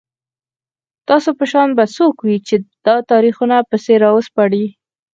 ستاسو په شان به څوک وي چي دا تاریخونه پسي راوسپړي